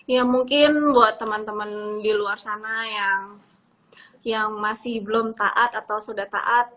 ya mungkin buat teman teman di luar sana yang masih belum taat atau sudah taat